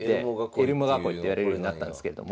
エルモ囲いっていわれるようになったんですけれども。